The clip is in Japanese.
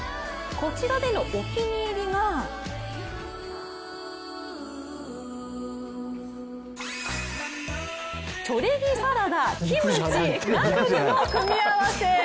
こちらでのお気に入りがチョレギサラダ、キムチ、ナムルの組み合わせ。